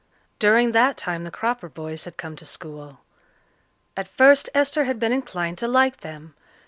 During that time the Cropper boys had come to school. At first Esther had been inclined to like them.